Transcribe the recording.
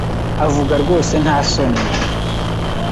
Avuga rwose nta soni